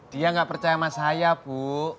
dia nggak percaya sama saya bu